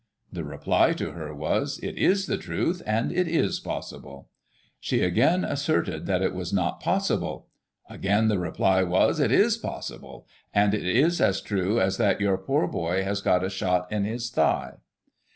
The reply to her was :' It is the truth, and it is possible.' She again asserted that it was not possible. Again the reply was: 'It is possible, cuid it is as true as that your poor boy has got a shot in his thigh.'